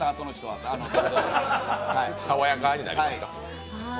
爽やかになりますか。